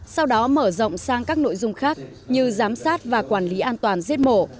sau đó mở rộng sang các nội dung khác như giám sát và quản lý an toàn giết mổ